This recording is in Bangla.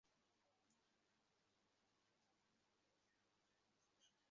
সভায় সোলায়মান আলীর শাসনামলে জেলা পরিষদের অনিয়ম-দুর্নীতির সুষ্ঠু তদন্তেরও দাবি করা হয়।